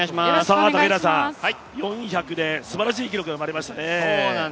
４００ですばらしい記録が生まれましたね。